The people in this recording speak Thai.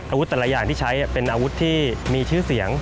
อาวุธแต่ละอย่างที่ใช้เป็นอาวุธที่มีชื่อเสียง